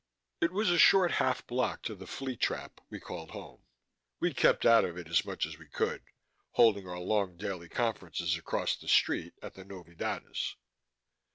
It was a short half block to the flea trap we called home. We kept out of it as much as we could, holding our long daily conferences across the street at the Novedades.